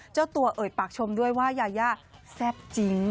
เจ้าตัวเอ่ยปากชมด้วยว่ายายาแซ่บจริง